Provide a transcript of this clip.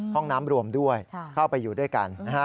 ห้องน้ำรวมด้วยเข้าไปอยู่ด้วยกันนะฮะ